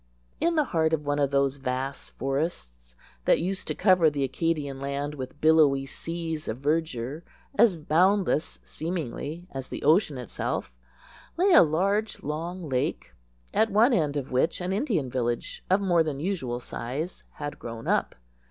In the heart of one of those vast forests that used to cover the Acadian land with billowy seas of verdure as boundless seemingly as the ocean itself, lay a large, long lake, at one end of which an Indian village of more than usual size had grown up.